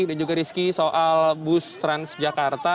dan juga rizky soal bus trans jakarta